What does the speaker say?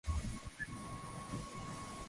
Zuchu na mbosso wanapendeza.